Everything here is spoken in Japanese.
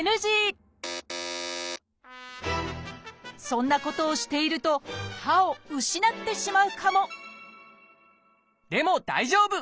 そんなことをしていると歯を失ってしまうかもでも大丈夫！